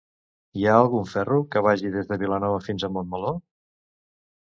Hi ha algun ferro que vagi des de Vilanova fins a Montmeló?